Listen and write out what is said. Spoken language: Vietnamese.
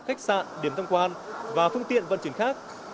khách sạn điểm thăm quan và phương tiện vận chuyển khác